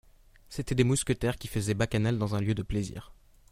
C'étaient des mousquetaires qui faisaient bacchanal dans un lieu de plaisir.